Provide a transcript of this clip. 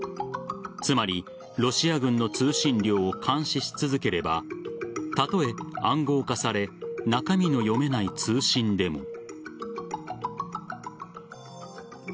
つまり、ロシア軍の通信量を監視し続ければたとえ暗号化され中身の読めない通信でも。